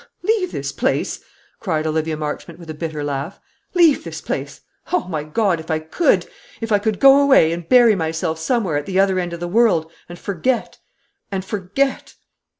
"Leave this place!" cried Olivia Marchmont, with a bitter laugh. "Leave this place! O my God, if I could; if I could go away and bury myself somewhere at the other end of the world, and forget, and forget!"